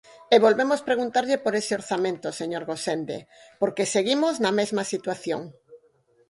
E volvemos preguntarlle por ese orzamento, señor Gosende, porque seguimos na mesma situación.